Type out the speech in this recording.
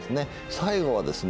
最後はですね